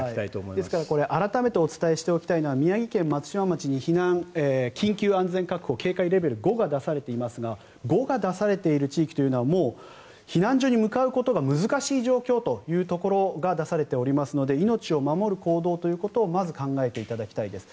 ですから改めてお伝えしておきたいのは宮城県松島町に緊急安全確保警戒レベル５が出されていますが５が出されている地域というのはもう避難所に向かうことが難しい状況というところが出されておりますので命を守る行動ということをまず考えていただきたいです。